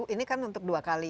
ini kan untuk dua kali